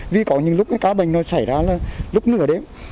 vì có những lúc cái ca bệnh nó xảy ra là lúc nửa đêm